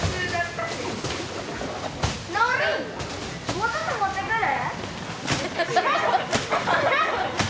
もうちょっと持ってくる？